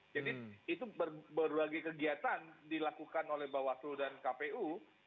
jadi itu berbagai kegiatan dilakukan oleh bawaslu dan kpu